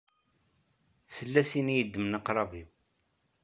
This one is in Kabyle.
Tella tin i yeddmen aqṛab-iw.